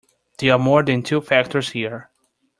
There are more than two factors here.